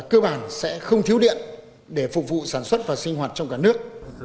cơ bản sẽ không thiếu điện để phục vụ sản xuất và sinh hoạt trong cả nước